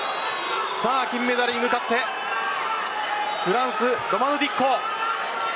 金メダルに向かってフランス、ロマヌ・ディッコ。